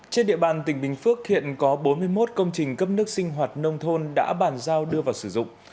trên địa bàn tỉnh bình phước hiện có bốn mươi một công trình cấp nước sinh hoạt nông thôn đã bàn giao đưa vào sử dụng